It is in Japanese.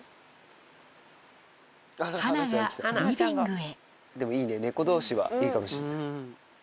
ハナがリビングへ。